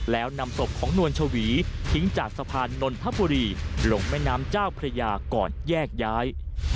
แล้วนำศพของนวลชวีทิ้งจากสะพานนนทบุรีลงแม่น้ำเจ้าพระยาก่อนแยกย้าย